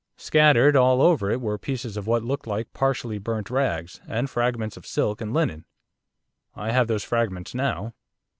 Scattered all over it were pieces of what looked like partially burnt rags, and fragments of silk and linen. I have those fragments now.